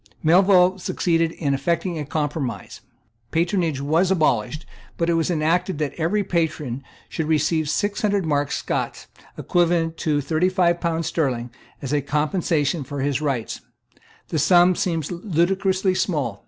Melville succeeded in effecting a compromise. Patronage was abolished; but it was enacted that every patron should receive six hundred marks Scots, equivalent to about thirty five pounds sterling, as a compensation for his rights. The sum seems ludicrously small.